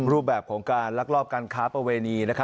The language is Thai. รูปแบบของการรักรอบการค้าประเวณีนะครับ